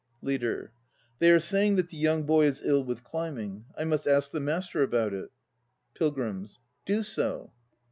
LEADER. They are saying that the young boy is ill with climbing. I must ask the Master about it. PILGRIMS. Do so.